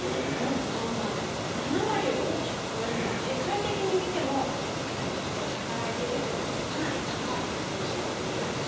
７割を大きく超えるのは世界的に見てもかなり女性が働いているという高い数字なんですよ。